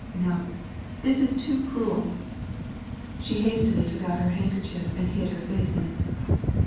No, it's too awful!" She hastily pulled out her handkerchief and hid her face in it.